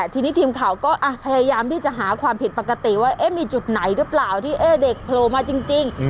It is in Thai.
ทีนี้ทีมข่าวก็พยายามที่จะหาความผิดปกติว่ามีจุดไหนหรือเปล่าที่เด็กโผล่มาจริง